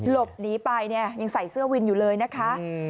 หลบหนีไปเนี่ยยังใส่เสื้อวินอยู่เลยนะคะ